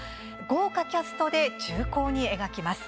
豪華キャストで重厚に描きます。